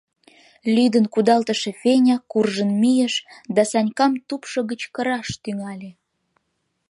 Лӱдын кудалтыше Феня куржын мийыш да Санькам тупшо гыч кыраш тӱҥале.